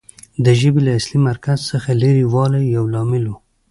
د ژبې له اصلي مرکز څخه لرې والی یو لامل و